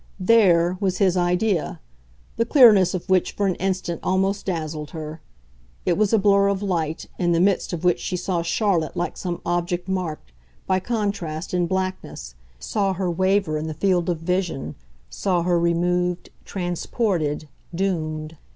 THERE was his idea, the clearness of which for an instant almost dazzled her. It was a blur of light, in the midst of which she saw Charlotte like some object marked, by contrast, in blackness, saw her waver in the field of vision, saw her removed, transported, doomed.